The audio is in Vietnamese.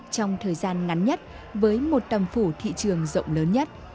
trong thời gian ngắn nhất với một tầm phủ thị trường rộng lớn nhất